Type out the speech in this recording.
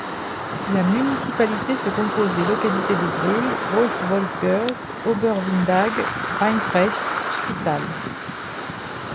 La municipalité se compose des localités de Brühl, Großwolfgers, Oberwindhag, Reinprechts, Spital, St.